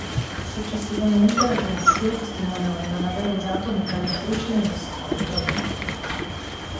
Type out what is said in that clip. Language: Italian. Successivamente, la polizia testimoniò di non aver usato mitragliatrici nello scontro.